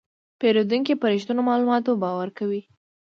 پیرودونکی په رښتینو معلوماتو باور کوي.